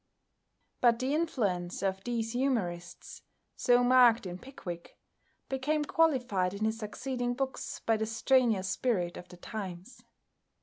But the influence of these humourists so marked in "Pickwick" became qualified in his succeeding books by the strenuous spirit of the times.